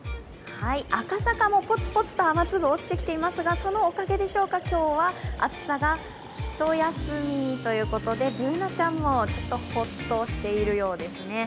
赤坂もポツポツと雨粒落ちてきていますがそのおかげでしょうか、今日は暑さが一休みということで、Ｂｏｏｎａちゃんもちょっとホッとしているようですね。